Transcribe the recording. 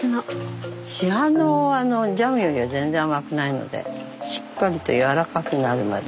市販のジャムよりは全然甘くないのでしっかりとやわらかくなるまで。